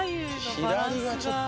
左がちょっと。